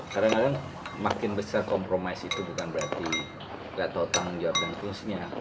kadang kadang makin besar kompromis itu bukan berarti gak tau tanggung jawab dan fungsinya